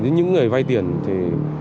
những người vay tiền thì